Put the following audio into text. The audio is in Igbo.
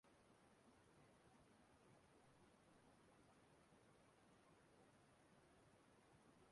Baghdadi